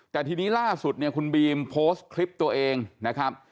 แต่ทีนี้ล่าสุดเนี่ยคุณบีมโพสต์คลิปตัวเองนะครับ